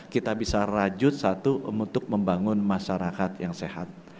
kita bisa rajut satu untuk membangun masyarakat yang sehat